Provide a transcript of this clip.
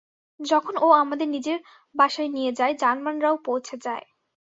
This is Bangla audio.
যখন ও আমাদের নিজের বাসায় নিয়ে যায়, জার্মানরাও পৌঁছে যায়।